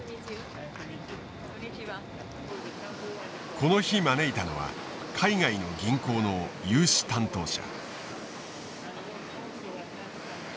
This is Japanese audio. この日招いたのは海外の銀行の融資担当者。